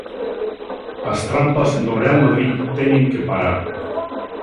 As trampas do Real Madrid teñen que parar.